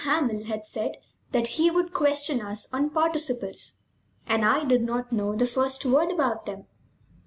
Hamel had said that he would question us on participles, and I did not know the first word about them.